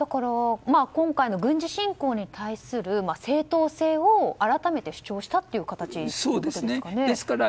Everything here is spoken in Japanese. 今回の軍事侵攻に対する正当性を改めて主張したという形ということですかね。